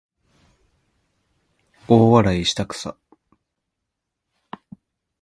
大笑いしたくさ